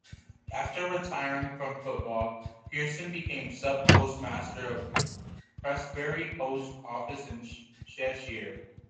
After retiring from football Pearson became sub-postmaster of Prestbury Post Office in Cheshire.